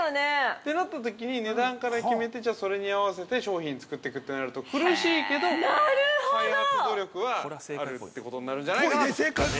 ◆ってなったときに値段から決めてじゃあ、それに合わせて商品作っていくってなると苦しいけど、開発努力はあるってことになるんじゃないかなと。